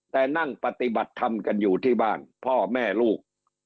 แต่นั่งปฏิบัติธรรมกันอยู่ที่บ้านพ่อแม่ลูก